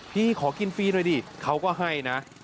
พี่ขอกินฟรีหน่อยดิเขาก็ให้นะ